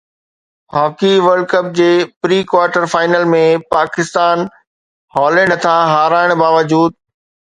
hockey world cup جي pre quarter final ۾ Pakistan Holland هٿان هارائڻ باوجود